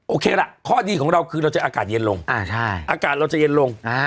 โอเคล่ะข้อดีของเราคือเราจะอากาศเย็นลงอากาศเราจะเย็นลง